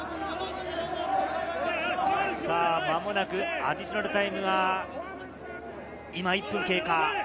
間もなくアディショナルタイムが今１分経過。